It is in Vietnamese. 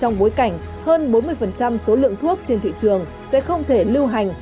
rằng hơn bốn mươi số lượng thuốc trên thị trường sẽ không thể lưu hành